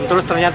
beli perang baju